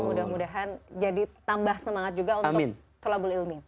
mudah mudahan jadi tambah semangat juga untuk kolabol ilmi